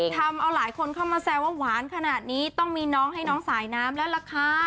ทำเอาหลายคนเข้ามาแซวว่าหวานขนาดนี้ต้องมีน้องให้น้องสายน้ำแล้วล่ะค่ะ